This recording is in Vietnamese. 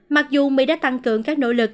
mặc dù mỹ đã tăng cường các nỗ lực